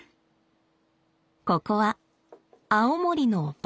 ここは青森のバー。